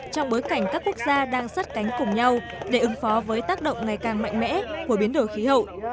trong bối cảnh các quốc gia đang sát cánh cùng nhau để ứng phó với tác động ngày càng mạnh mẽ của biến đổi khí hậu